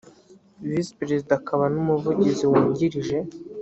visi perezida akaba n umuvugizi wungirije